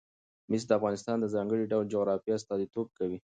مس د افغانستان د ځانګړي ډول جغرافیه استازیتوب کوي.